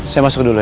saya masuk dulu ya